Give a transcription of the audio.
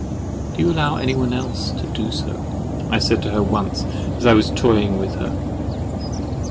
"Do you allow anyone else to do so?" I said to her once, as I was toying with her.